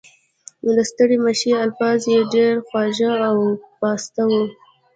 د ستړي مشي الفاظ یې ډېر خواږه او پاسته وو.